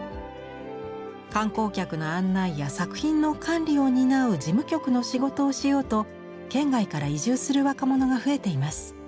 観光客の案内や作品の管理を担う事務局の仕事をしようと県外から移住する若者が増えています。